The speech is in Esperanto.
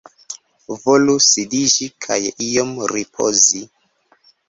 Volu sidiĝi kaj iom ripozi.